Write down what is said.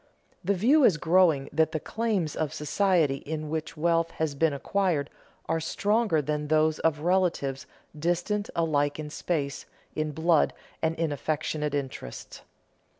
The view is growing that the claims of the society in which wealth has been acquired are stronger than those of relatives distant alike in space, in blood, and in affectionate interest.